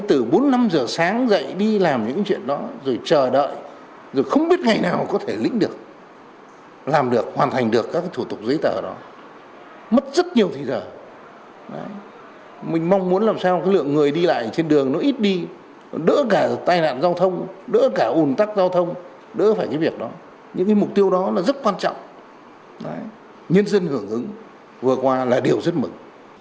từ bốn năm giờ sáng dậy đi làm những chuyện đó rồi chờ đợi rồi không biết ngày nào có thể lĩnh được làm được hoàn thành được các thủ tục giấy tờ đó mất rất nhiều thời gian mình mong muốn làm sao lượng người đi lại trên đường nó ít đi đỡ cả tai nạn giao thông đỡ cả ồn tắc giao thông đỡ phải cái việc đó những mục tiêu đó là rất quan trọng nhân dân hưởng ứng vừa qua là điều rất mực